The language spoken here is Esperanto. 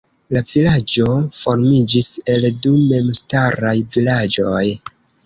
La vilaĝo formiĝis el du memstaraj vilaĝoj.